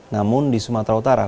namun di sumatera utara